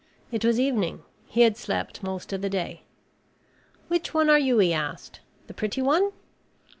It was evening. He had slept most of the day. "Which one are you?" he asked. "The pretty one?"